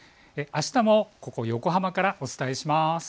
あしたもここ横浜からお伝えします。